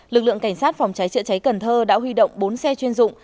lực lượng cảnh sát phòng cháy chữa cháy cần thơ đã huy động bốn xe chuyên dụng